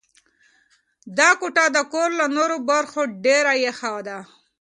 دا کوټه د کور له نورو برخو ډېره یخه ده.